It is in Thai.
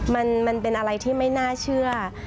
มันเป็นอะไรที่ไม่น่าเชื่อ